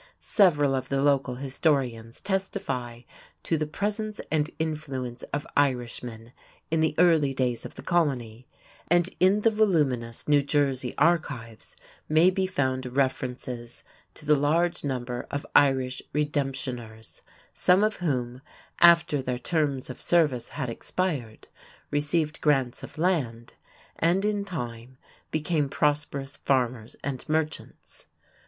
Several of the local historians testify to the presence and influence of Irishmen in the early days of the colony, and in the voluminous "New Jersey Archives" may be found references to the large numbers of Irish "redemptioners," some of whom, after their terms of service had expired, received grants of land and in time became prosperous farmers and merchants.